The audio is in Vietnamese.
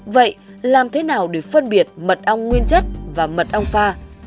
vậy làm thế nào để phân biệt mật ong nguyên chất và mật ong pha